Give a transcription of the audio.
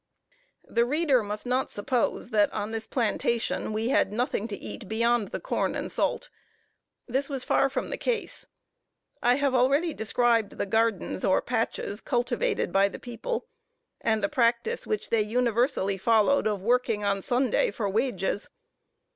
The reader must not suppose, that, on this plantation, we had nothing to eat beyond the corn and salt. This was far from the case. I have already described the gardens, or patches, cultivated by the people, and the practice which they universally followed of working on Sunday, for wages.